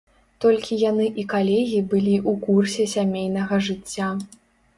Толькі яны і калегі былі ў курсе сямейнага жыцця.